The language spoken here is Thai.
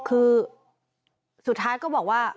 คือสุดท้ายก็บอกว่า